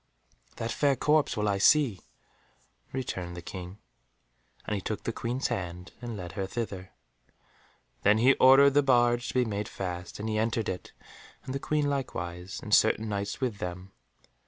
"That fair corpse will I see," returned the King, and he took the Queen's hand and led her thither. Then he ordered the barge to be made fast, and he entered it, and the Queen likewise, and certain Knights with them.